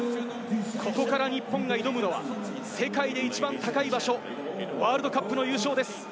ここから日本が挑むのは世界で一番高い場所、ワールドカップの優勝です。